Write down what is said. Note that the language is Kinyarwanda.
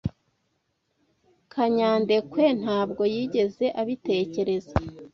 Kanyandekwe ntabwo yigeze abitekereza.